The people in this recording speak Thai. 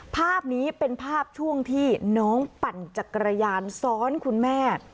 ภาพนี้เป็นภาพช่วงที่น้องปั่นจักรยานซ้อนคุณแม่